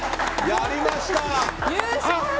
やりました！